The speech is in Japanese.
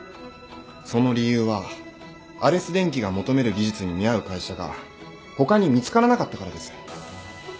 その理由はアレス電機が求める技術に見合う会社が他に見つからなかったからです。